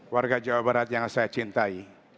warga jawa barat yang saya cintai